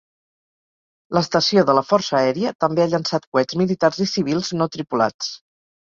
L'estació de la Força Aèria també ha llançat coets militars i civils no tripulats.